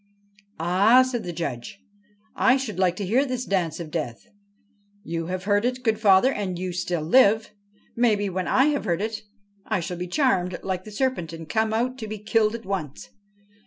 ' Ah I' said the Judge, ' I should like to hear this Dance of Death. 127 THE FRIAR AND THE BOY You have heard it, good father, and you still live. Maybe, when I have heard it, I shall be charmed, like the serpent, and come out to be killed at once.